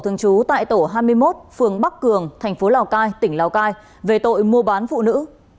thường trú tại tổ hai mươi một phường bắc cường thành phố lào cai tỉnh lào cai về tội mua bán phụ nữ